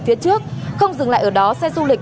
phía trước không dừng lại ở đó xe du lịch